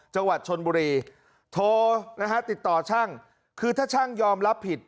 จังหวัดชนบุรีโทรนะฮะติดต่อช่างคือถ้าช่างยอมรับผิด